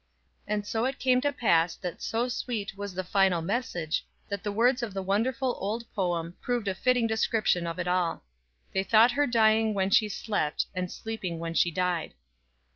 And so it came to pass that so sweet was the final message that the words of the wonderful old poem proved a Siting description of it all. "They thought her dying when she slept, And sleeping when she died."